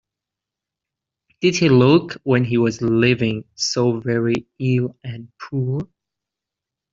Did he look, when he was living, so very ill and poor?